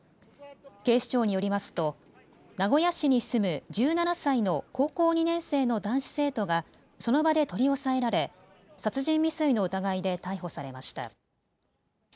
警視庁によりますと名古屋市に住む１７歳の高校２年生の男子生徒がその場で取り押さえられ殺人未遂の疑いで逮捕されました。